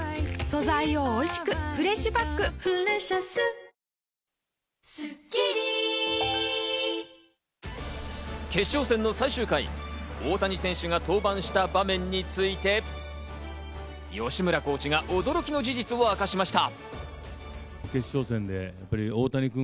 三菱電機決勝戦の最終回、大谷選手が登板した場面について、吉村コーチが驚きの事実を明かしました。